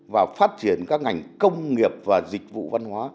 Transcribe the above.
và phát triển các ngành công nghiệp và dịch vụ văn hóa